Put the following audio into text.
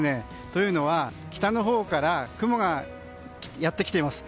というのは、北のほうから雲がやってきています。